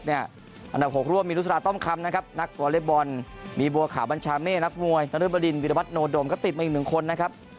อันดับ๖ร่วมมีรุษาต้อมคำนะครับนักวอเล็กบอลมีบัวขาวบัญชาเมฆนักมวยนรึบดินวิรวัตโนดมก็ติดมาอีก๑คนนะครับ